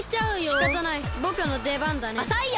しかたないぼくのでばんだね。おそいよ！